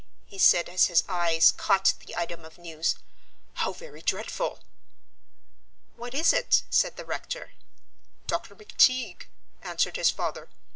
he said as his eyes caught the item of news. "How very dreadful!" "What is it?" said the rector. "Dr. McTeague," answered his father.